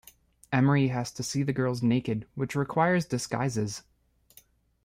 Emery has to see the girls naked, which requires disguises.